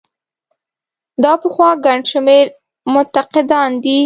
دا پخوا ګڼ شمېر منتقدان دي.